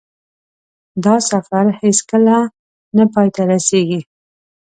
دا سفر هېڅکله نه پای ته رسېږي.